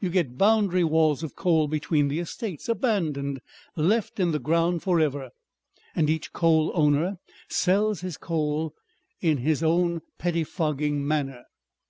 You get boundary walls of coal between the estates, abandoned, left in the ground for ever. And each coal owner sells his coal in his own pettifogging manner...